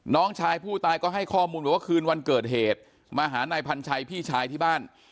น้องชายผู้ตายก็ให้ข้อมูลบอกว่าคืนวันเกิดเหตุมาหานายพันชัยพี่ชายที่บ้าน